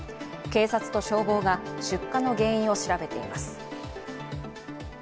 警察と消防が出火の原因を調べています。